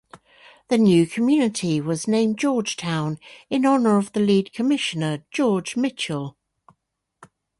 The new community was named Georgetown in honor of the lead commissioner George Mitchell.